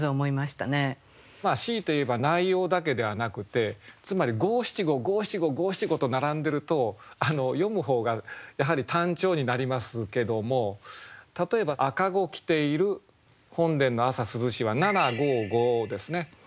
強いて言えば内容だけではなくてつまり五七五五七五五七五と並んでると読むほうがやはり単調になりますけども例えば「赤子来てゐる本殿の朝涼し」は七五五ですね。